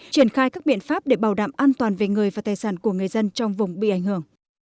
triển khai các biện pháp để bảo đảm an toàn về người và tài sản của người dân trong vùng bị ảnh hưởng